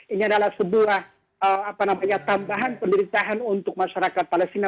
ini adalah sebuah tambahan penderitaan untuk masyarakat palestina